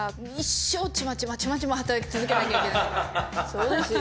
そうですよ。